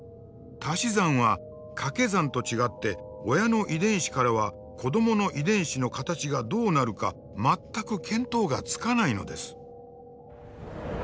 たし算はかけ算と違って親の遺伝子からは子どもの遺伝子の形がどうなるか全く見当がつかないのです。